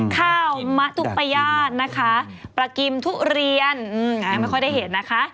ข้าวมะตุปญาตินะคะปลากิมทุเรียนยังไม่ค่อยได้เห็นนะคะ